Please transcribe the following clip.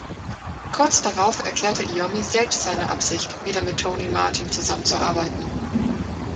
Kurz darauf erklärte Iommi selbst seine Absicht, wieder mit Tony Martin zusammenzuarbeiten.